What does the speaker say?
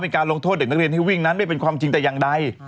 การลงโทษเด็กนักเรียนที่วิ่งนั้นไม่เป็นความจริงแต่อย่างใด